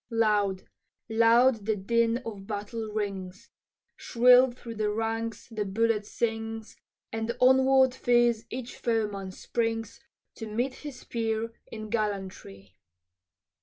Loud, loud, the din of battle rings, Shrill through the ranks the bullet sings, And onward fierce each foeman springs To meet his peer in gallantry.